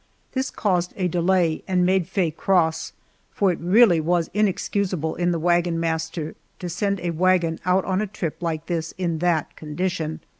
This caused a delay and made Faye cross, for it really was inexcusable in the wagon master to send a wagon out on a trip like this in that condition.